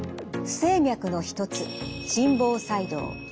不整脈の一つ心房細動。